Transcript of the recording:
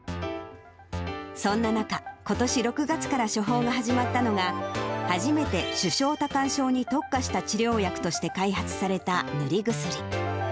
そんな中、ことし６月から処方が始まったのが、初めて手掌多汗症に特化した治療薬として開発された塗り薬。